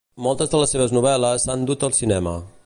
Moltes de les seves novel·les s'han dut al cinema.